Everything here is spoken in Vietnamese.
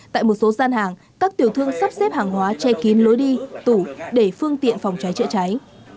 tại một số gian hàng các tiểu thương sắp xếp hàng hóa che kín lối đi tủ để phương tiện phòng cháy chữa cháy